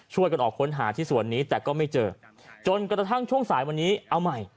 ช่วยกันออกค้นหาที่ส่วนนี้แต่ก็ไม่เจอจนกระทั่งช่วงสายวันนี้เอาใหม่